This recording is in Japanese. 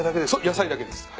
野菜だけです。